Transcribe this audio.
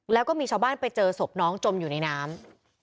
แล้วก็มีชาวบ้านไปเจอศพน้องจมอยู่ในน้ำ